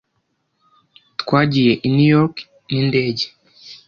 Twagiye i New York n'indege.